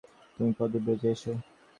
তুমি পদব্রজে এস!